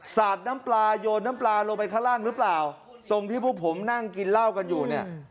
สาดน้ำปลาโยนน้ำปลาลงไปข้างล่างหรือเปล่าตรงที่พวกผมนั่งกินเหล้ากันอยู่เนี่ย